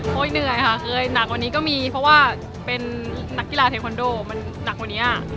เหนื่อยค่ะเคยหนักกว่านี้ก็มีเพราะว่าเป็นนักกีฬาเทคอนโดมันหนักกว่านี้